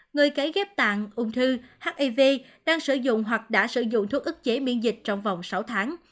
người cấy ghép tạng ung thư hiv đang sử dụng hoặc đã sử dụng thuốc ức chế miễn dịch trong vòng sáu tháng